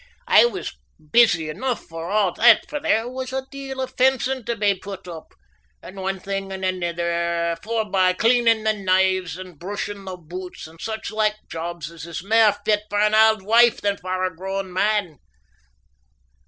I was busy enough for a' that, for there was a deal o' fencing tae be put up, and one thing or anither, forbye cleanin' the knives and brushin' the boots and such like jobs as is mair fit for an auld wife than for a grown man.